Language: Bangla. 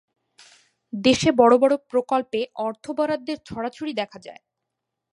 দেশে বড় বড় প্রকল্পে অর্থ বরাদ্দের ছড়াছড়ি দেখা যায়।